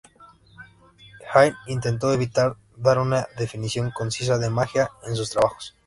Hine intentó evitar dar una definición concisa de magia en sus trabajos.